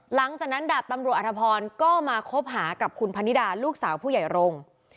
หลังจากนั้นดาบตำรวจอธพรก็มาคบหากับคุณพนิดาลูกสาวผู้ใหญ่รงค์